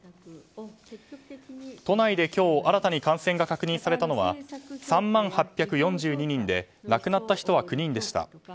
都内で今日新たに感染が確認されたのは３万８４２人で亡くなった人は９人でした。